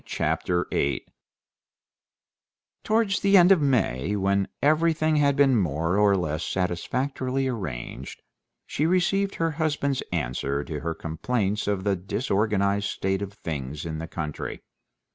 Chapter 8 Towards the end of May, when everything had been more or less satisfactorily arranged, she received her husband's answer to her complaints of the disorganized state of things in the country.